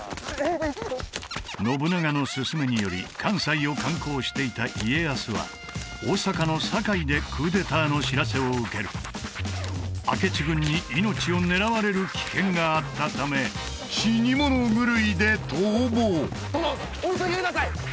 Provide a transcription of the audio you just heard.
信長のすすめにより関西を観光していた家康は大坂の堺でクーデターの知らせを受ける明智軍に命を狙われる危険があったため死に物狂いで逃亡殿お急ぎください！